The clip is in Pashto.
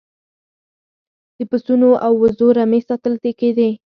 د پسونو او وزو رمې ساتل کیدې